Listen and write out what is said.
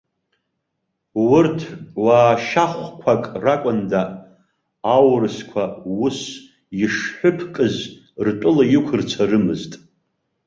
Урҭ уаашьахәқәак ракәында, аурысқәа ус ишҳәыԥкыз ртәыла иқәырцарымызт.